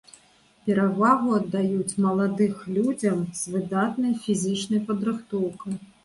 Перавагу аддаюць маладых людзям з выдатнай фізічнай падрыхтоўкай.